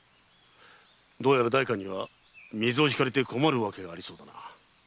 どうやら代官には水を引かれて困るわけがありそうだ。